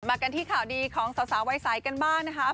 กันที่ข่าวดีของสาววัยใสกันบ้างนะคะ